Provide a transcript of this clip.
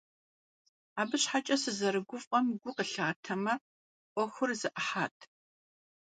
Абы щхьэкӀэ сызэрыгуфӀэм гу къылъатэмэ, Ӏуэхур зэӀыхьат.